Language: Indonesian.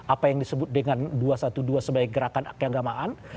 apa yang disebut dengan dua ratus dua belas sebagai gerakan keagamaan